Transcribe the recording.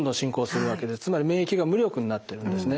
つまり免疫が無力になっているんですね。